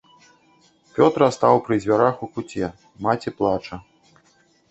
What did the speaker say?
Пётра стаў пры дзвярах у куце, маці плача.